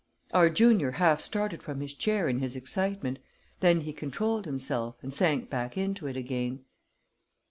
Our junior half started from his chair in his excitement; then he controlled himself, and sank back into it again.